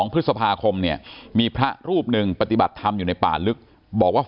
พฤษภาคมเนี่ยมีพระรูปหนึ่งปฏิบัติธรรมอยู่ในป่าลึกบอกว่า